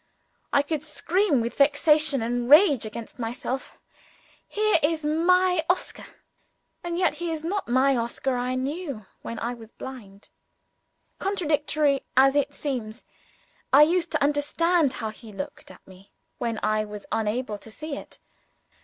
I could scream with vexation and rage against myself. Here is my Oscar and yet he is not the Oscar I knew when I was blind. Contradictory as it seems, I used to understand how he looked at me, when I was unable to see it.